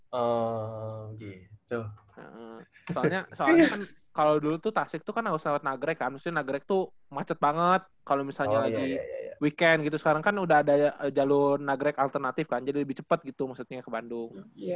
soalnya kan kalo dulu tasik kan harus lewat nagrek kan maksudnya nagrek tuh macet banget kalo misalnya lagi weekend gitu sekarang kan udah ada jalur nagrek alternatif kan jadi lebih cepet gitu maksudnya ke bandung gitu kan